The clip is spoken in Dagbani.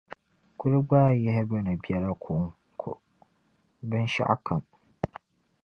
kuli gbaai yihi bina biɛla kɔŋko, binshɛɣukam.